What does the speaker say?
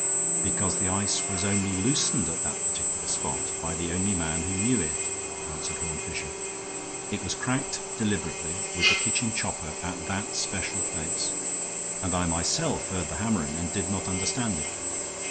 "Because the ice was only loosened at that particular spot, by the only man who knew it," answered Horne Fisher. "It was cracked deliberately, with the kitchen chopper, at that special place; and I myself heard the hammering and did not understand it.